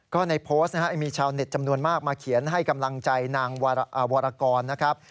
ก็ในโพสต์นะครับมีชาวเน็ตจำนวนมากมาเขียนให้กำลังใจนางวรกรนะครับ